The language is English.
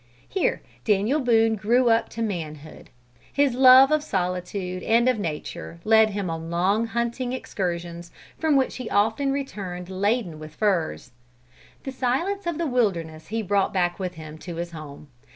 Here Daniel Boone grew up to manhood. His love of solitude and of nature led him on long hunting excursions, from which he often returned laden with furs. The silence of the wilderness he brought back with him to his home.